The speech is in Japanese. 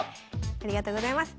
ありがとうございます。